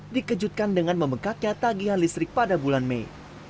dikejutkan dengan membengkaknya tagihan listrik pada bulan mei